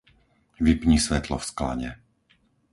Vypni svetlo v sklade.